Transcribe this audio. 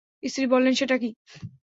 স্ত্রী বললেন, সেটা কি?